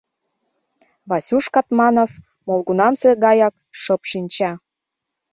Васюш Катманов молгунамсе гаяк шып шинча.